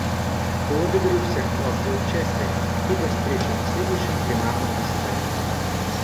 Благодарю всех вас за участие, и до встречи на следующем пленарном заседании.